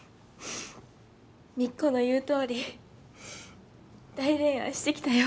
みっこの言うとおり大恋愛してきたよ。